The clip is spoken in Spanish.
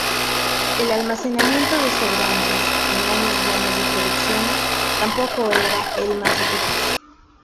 El almacenamiento de sobrantes, en años buenos de producción, tampoco era el más eficaz.